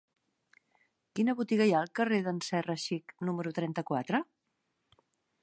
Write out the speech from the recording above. Quina botiga hi ha al carrer d'en Serra Xic número trenta-quatre?